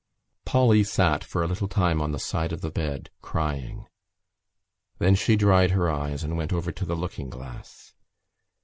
Polly sat for a little time on the side of the bed, crying. Then she dried her eyes and went over to the looking glass.